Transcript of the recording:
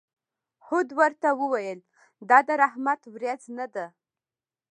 هود ورته وویل: دا د رحمت ورېځ نه ده.